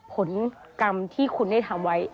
ผลกรรมที่คุณได้ทำไว้